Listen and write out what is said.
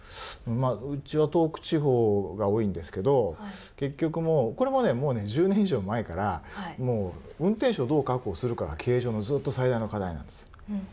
うちは東北地方が多いんですけど結局これももう１０年以上前から運転手をどう確保するかが経営上のずっと最大の課題なんです。